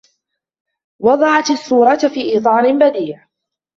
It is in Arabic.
وَضَعْتُ الصُّورَةَ فِي إِطارٍ بديعٍ.